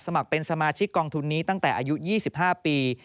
สมัครเป็นสมาชิกกองทุนนี้ตั้งแต่อายุ๒๕ปี